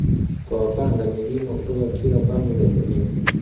Kwa wapanda milima kutoka kila pande za dunia